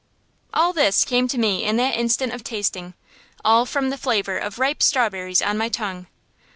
All this came to me in that instant of tasting, all from the flavor of ripe strawberries on my tongue.